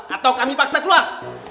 atau kami paksa keluar